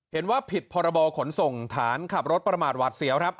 เห็นว่าผิดพรบขนส่งฐานขับรถประมาทหวาดเสียวครับ